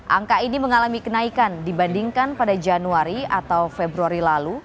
angka ini mengalami kenaikan dibandingkan pada januari atau februari lalu